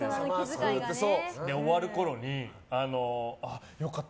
で、終わるころに良かった。